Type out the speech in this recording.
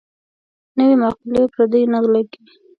نوې مقولې پردۍ نه لګي.